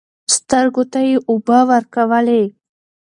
سترګو ته يې اوبه ورکولې .